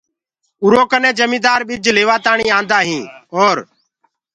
اُرو ڪني جميدآر ٻج ليوآ تآڻي آندآ هين اور